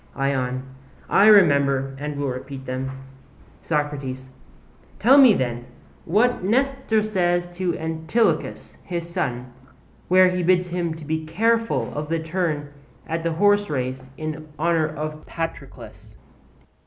ION: I remember, and will repeat them. SOCRATES: Tell me then, what Nestor says to Antilochus, his son, where he bids him be careful of the turn at the horserace in honour of Patroclus.